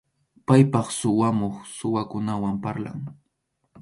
Paypaq suwamuq, suwakunawan parlan.